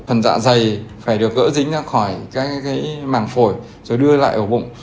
phần dạ dày phải được gỡ dính ra khỏi cái màng phổi rồi đưa lại ổ bụng